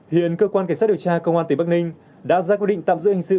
hiện cơ quan cảnh sát điều tra công an tỉnh bắc ninh đã ra quyết định tạm giữ hình sự